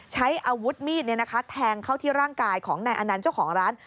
ใช้อาวุธมีดแทงเข้าที่ร่างกายของนายอนันต์เจ้าของร้าน